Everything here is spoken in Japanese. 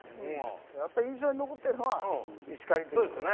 やっぱり印象に残ってるのは石狩という事だね。